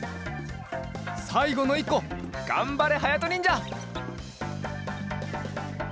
さいごのいっこがんばれはやとにんじゃ。